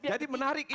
jadi menarik ini